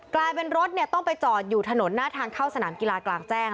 กลายเป็นรถต้องไปจอดอยู่ถนนหน้าทางเข้าสนามกีฬากลางแจ้ง